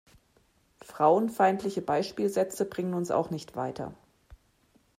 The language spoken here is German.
Frauenfeindliche Beispielsätze bringen uns auch nicht weiter.